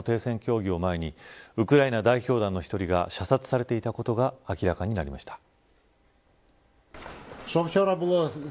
３回目の停戦協議を前にウクライナ代表団の１人が射殺されていたことが明らかになりました。